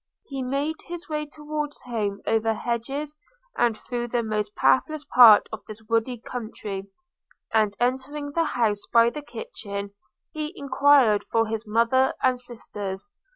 He made his way towards home over hedges and through the most pathless part of this woody country; and, entering the house by the kitchen, he enquired for his mother and sisters.